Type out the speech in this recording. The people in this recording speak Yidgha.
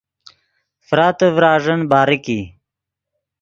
فراتے ڤراݱین باریک ای